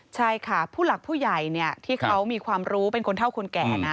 ใช่ค่ะผู้หลักผู้ใหญ่ที่เขามีความรู้เป็นคนเท่าคนแก่นะ